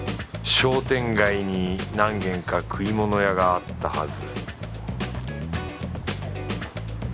商店街に何軒か食い物屋があったはず